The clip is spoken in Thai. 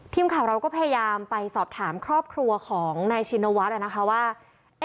ทีมข่าวเราก็พยายามไปสอบถามครอบครัวของนายชินวัฒน์นะคะว่า